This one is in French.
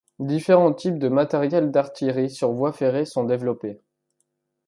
Différents types de matériels d'artillerie sur voie ferrée sont développés.